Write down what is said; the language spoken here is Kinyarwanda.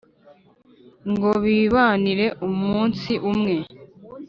ngo bibanire. Umunsi umwe,